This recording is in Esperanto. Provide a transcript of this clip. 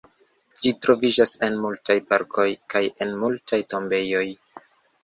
Ĝi troviĝas en multaj parkoj kaj en multaj tombejoj.